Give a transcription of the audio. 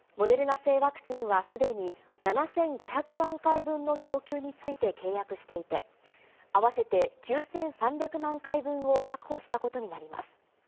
製ワクチンはすでに７５００万回分の供給について契約していて、合わせて９３００万回分を確保したことになります。